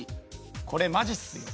これマジっすよ！